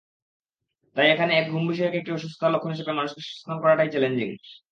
তাই এখানে একে ঘুম-বিষয়ক একটি অসুস্থতার লক্ষণ হিসেবে মানুষকে সচেতন করাটাই চ্যালেঞ্জিং।